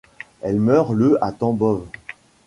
Elle meurt le à Tambov.